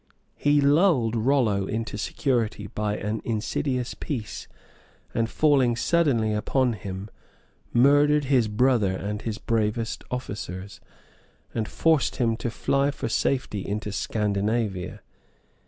] He lulled Rollo into security by an insidious peace and falling suddenly upon him, murdered his brother and his bravest officers, and forced him to fly for safety into Scandinavia.